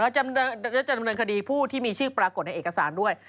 จะดำเนินคดีผู้ที่มีชื่อปรากฏในเอกสารด้วย